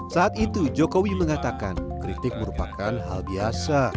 saat itu jokowi mengatakan kritik merupakan hal biasa